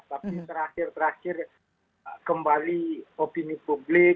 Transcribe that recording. tapi terakhir terakhir kembali opini publik